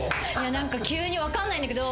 何か急に分かんないんだけど。